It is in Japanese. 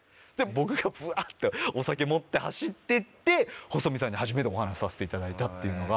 僕がブワってお酒持って走ってって細美さんに初めてお話させていただいたっていうのが。